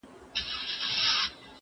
زه له سهاره د زده کړو تمرين کوم؟